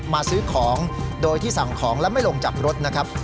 มาซื้อของโดยที่สั่งของและไม่ลงจากรถนะครับ